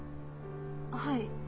はい。